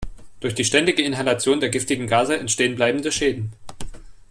Durch die ständige Inhalation der giftigen Gase entstehen bleibende Schäden.